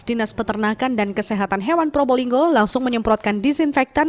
dinas peternakan dan kesehatan hewan probolinggo langsung menyemprotkan disinfektan